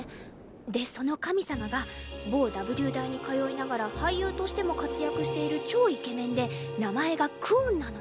でその神様が某Ｗ大に通いながら俳優としても活躍している超イケメンで名前がクオンなの。